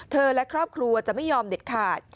และครอบครัวจะไม่ยอมเด็ดขาด